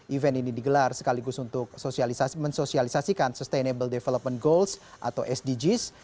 event ini digelar sekaligus untuk mensosialisasikan sustainable development goals atau sdgs